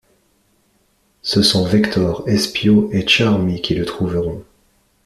Ce sont Vector, Espio et Charmy qui le trouveront.